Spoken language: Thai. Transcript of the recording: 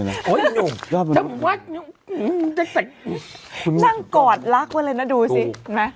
นั่งกอดลักษณ์ไว้เลยนะดูสิ